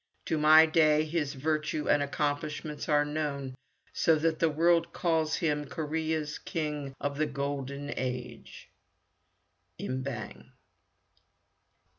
To my day his virtue and accomplishments are known, so that the world calls him Korea's King of the Golden Age. Im Bang.